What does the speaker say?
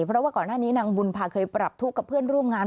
เพราะว่าก่อนหน้านี้นางบุญพาเคยปรับทุกข์กับเพื่อนร่วมงาน